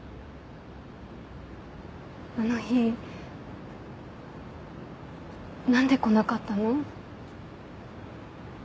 あの日なんで来なかったの？